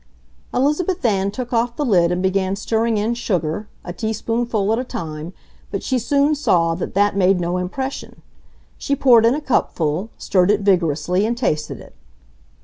Elizabeth Ann took off the lid and began stirring in sugar, a teaspoonful at a time, but she soon saw that that made no impression. She poured in a cupful, stirred it vigorously, and tasted it.